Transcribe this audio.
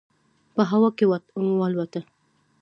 په هوا کې والوته.